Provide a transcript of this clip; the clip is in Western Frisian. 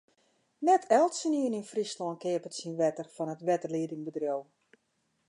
Net eltsenien yn Fryslân keapet syn wetter fan it wetterliedingbedriuw.